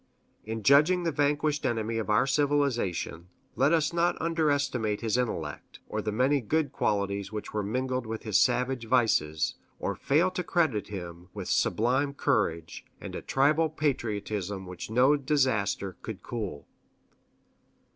In judging the vanquished enemy of our civilization, let us not underestimate his intellect, or the many good qualities which were mingled with his savage vices, or fail to credit him with sublime courage, and a tribal patriotism which no disaster could cool.